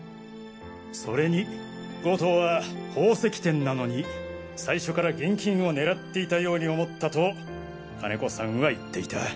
それに強盗は宝石店なのに最初から現金を狙っていたように思ったと金子さんは言っていた。